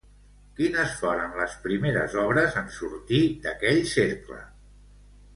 Quines foren les primeres obres en sortir d'aquell cercle?